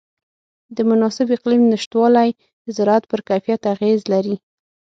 د مناسب اقلیم نهشتوالی د زراعت پر کیفیت اغېز لري.